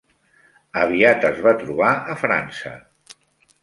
Aviat es va trobar a França.